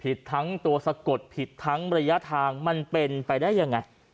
ผิดทั้งตัวสะกดผิดทั้งระยะทางมันเป็นไปได้ยังไง